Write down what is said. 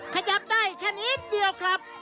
ขยับได้แค่นิดเดียวครับ